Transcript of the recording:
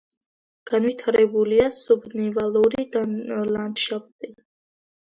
განვითარებულია სუბნივალური ლანდშაფტი.